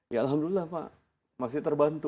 ya alhamdulillah pak masih terbantu